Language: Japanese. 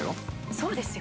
そうですよ。